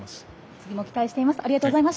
次も期待しています。